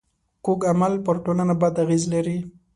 کوږ عمل پر ټولنه بد اغېز لري